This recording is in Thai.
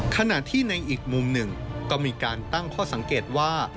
ขณะที่ในอีกมุมหนึ่งก็มีการตั้งข้อสังเกตว่า